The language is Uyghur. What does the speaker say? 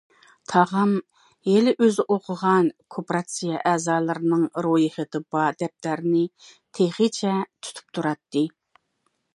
تاغام ھېلى ئۆزى ئوقۇغان كوپىراتسىيە ئەزالىرىنىڭ رويخېتى بار دەپتەرنى تېخىچە تۇتۇپ تۇراتتى.